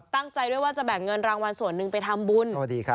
ตั้งใจด้วยว่าจะแบ่งเงินรางวัลส่วนหนึ่งไปทำบุญ